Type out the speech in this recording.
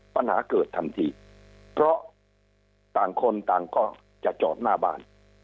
ปัญหาเกิดทันทีเพราะต่างคนต่างก็จะจอดหน้าบ้าน